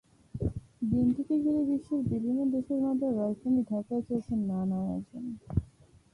দিনটিকে ঘিরে বিশ্বের বিভিন্ন দেশের মতো রাজধানী ঢাকায় চলছে নানা আয়োজন।